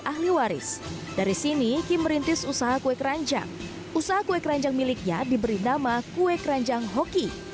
ahli waris dari sini kim merintis usaha kue keranjang usaha kue keranjang miliknya diberi nama kue keranjang hoki